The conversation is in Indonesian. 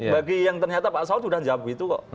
bagi yang ternyata pak sawad sudah menjawab itu kok